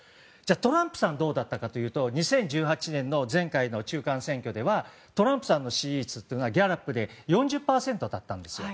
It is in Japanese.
トランプさんどうだったかといいますと２０１３年の前回の中間選挙でトランプさんの支持率はギャラップでは４０％だったんですよ。